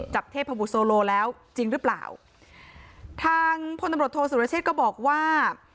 เทพบุษโลแล้วจริงหรือเปล่าทางพลตำรวจโทษสุรเชษก็บอกว่า